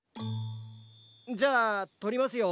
じゃあとりますよ。